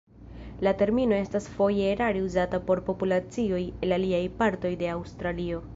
La termino estas foje erare uzata por populacioj el aliaj partoj de Aŭstralio.